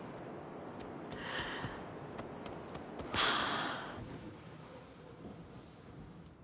はあ。